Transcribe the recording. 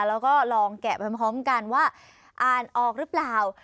แล้วก็ลองแกะไปพร้อมกันว่าอ่านออกหรือเปล่า